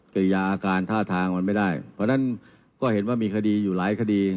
กิริยาอาการท่าทางมันไม่ได้เพราะฉะนั้นก็เห็นว่ามีคดีอยู่หลายคดี